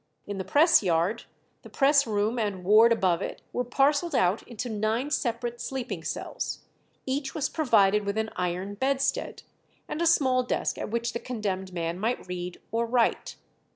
In the press yard, the press room and ward above it were parcelled out into nine separate sleeping cells; each was provided with an iron bedstead, and a small desk at which the condemned man might read or write.